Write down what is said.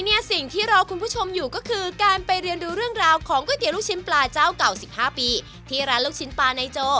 ๕ปีที่ร้านลูกชิ้นปลาในโจ